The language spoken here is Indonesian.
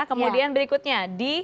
kemudian berikutnya di